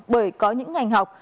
bởi có những ngành học